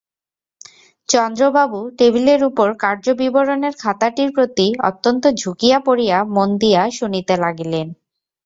চন্দ্রবাবু টেবিলের উপর কার্যবিবরণের খাতাটির প্রতি অত্যন্ত ঝুঁকিয়া পড়িয়া মন দিয়া শুনিতে লাগিলেন।